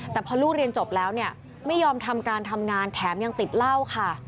แต่พอลูกเรียนจบแล้วเนี่ยไม่ยอมทำการทำงานแถมยังติดเหล้าค่ะ